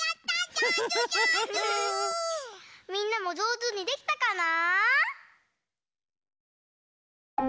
みんなもじょうずにできたかな？